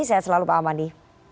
sehat selalu pak amadi